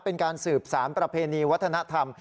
เป็นการสืบสารประเพณีวัฒนธรรม